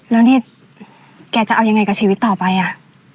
แล้วนี่แกจะเอายังไงกับชีวิตต่อไปอ่ะ